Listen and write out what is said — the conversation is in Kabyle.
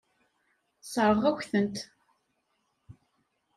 Sseṛɣeɣ-ak-tent.